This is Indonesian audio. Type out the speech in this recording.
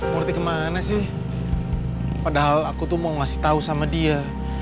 ngerti kemana sih padahal aku tuh mau ngasih tahu sama dia